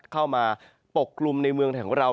เข้ามาปกกลุ่มในเมืองแถวเรา